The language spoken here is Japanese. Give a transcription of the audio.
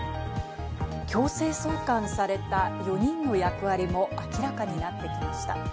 強制送還された４人の役割も明らかになってきました。